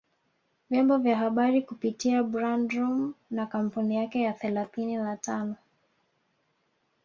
vyombo vya habari kupitia Bradroom na kampuni yake ya thelathini na tano